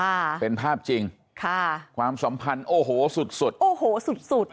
ค่ะเป็นภาพจริงค่ะความสัมพันธ์โอ้โหสุดสุดโอ้โหสุดสุด